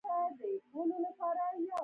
کېله د شیدو سره ګډه خوړل ډېره ګټه لري.